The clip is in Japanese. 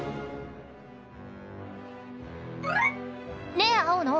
ねえ青野。